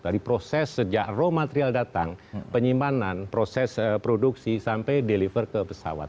dari proses sejak raw material datang penyimpanan proses produksi sampai deliver ke pesawat